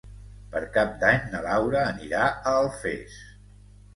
Per Cap d'Any na Laura anirà a Alfés.